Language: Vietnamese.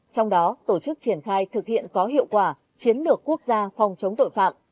trong đó tổ chức triển khai thực hiện có hiệu quả chiến lược quốc gia phòng chống tội phạm